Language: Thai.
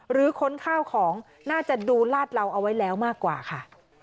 ค้นข้าวของน่าจะดูลาดเราเอาไว้แล้วมากกว่าค่ะ